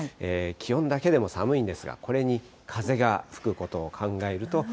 気温だけでも寒いんですが、これに風が吹くことを考えると。